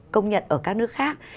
công nhận ở các nước khác